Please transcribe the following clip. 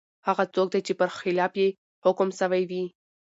هغه څوک دی چي پر خلاف یې حکم سوی وي ؟